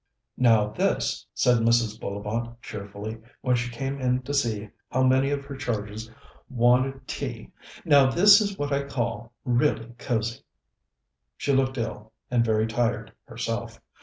"Now, this," said Mrs. Bullivant cheerfully, when she came in to see how many of her charges wanted tea "now this is what I call really cosy." She looked ill, and very tired, herself.